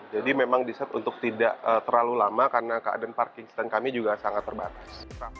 jadi memang diset untuk tidak terlalu lama karena keadaan parking stand kami juga sangat terbatas